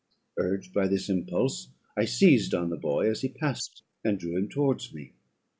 "Urged by this impulse, I seized on the boy as he passed, and drew him towards me.